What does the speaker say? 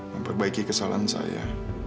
memperbaiki kesalahan saya